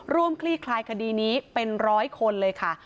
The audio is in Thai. ร่วมคลี่คลายคดีนี้เป็น๑๐๐คนเลยค่ะ